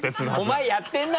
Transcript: お前やってるな！